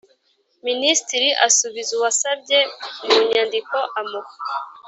Minisitiri asubiza uwasabye mu nyandiko amuha